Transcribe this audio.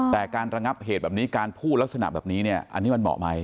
แต่การระงับเหตุแบบนี้การพูดลักษณะแบบนี้เนี่ยอันนี้มันเหมาะไหม